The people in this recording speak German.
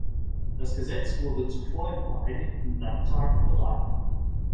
Das Gesetz wurde zuvor im Vereinigten Landtag beraten.